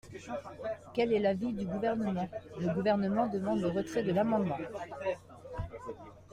Quel est l’avis du Gouvernement ? Le Gouvernement demande le retrait de l’amendement.